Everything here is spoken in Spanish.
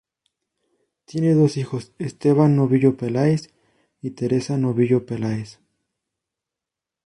Tiene dos hijos, Esteban Novillo Peláez y Teresa Novillo Peláez.